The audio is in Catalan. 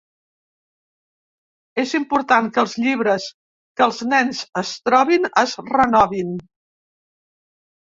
És important que els llibres que els nens es trobin es renovin.